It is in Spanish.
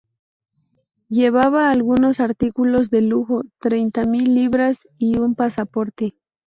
Llevaba algunos artículos de lujo, treinta mil libras y un pasaporte.